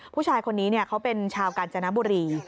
ผู้ชายคนนี้เขาเป็นชาวกาญจนบุรี